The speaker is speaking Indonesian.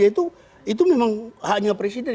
itu memang haknya presiden